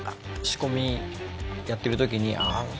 仕込みやってる時に。